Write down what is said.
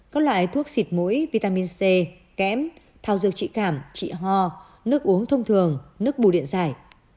các loại thuốc xịt mũi vitamin c kẽm thao dược trị cảm trị ho nước uống thông thường nước bù điện giải